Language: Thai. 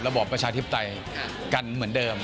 บอบประชาธิปไตยกันเหมือนเดิม